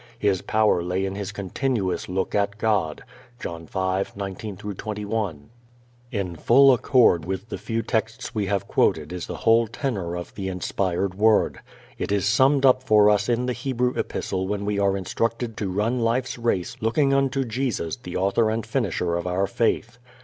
His power lay in His continuous look at God (John 5:19 21). In full accord with the few texts we have quoted is the whole tenor of the inspired Word. It is summed up for us in the Hebrew epistle when we are instructed to run life's race "looking unto Jesus the author and finisher of our faith."